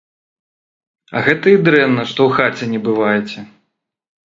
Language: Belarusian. А гэта і дрэнна, што ў хаце не бываеце!